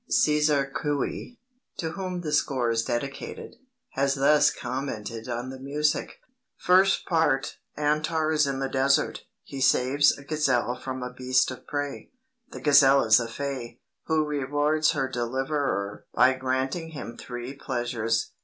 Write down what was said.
César Cui, to whom the score is dedicated, has thus commented on the music: "First Part: Antar is in the desert he saves a gazelle from a beast of prey. The gazelle is a fay, who rewards her deliverer by granting him three pleasures.